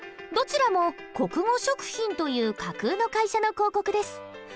どちらも「国語食品」という架空の会社の広告です。